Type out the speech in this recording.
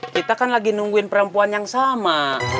kita kan lagi nungguin perempuan yang sama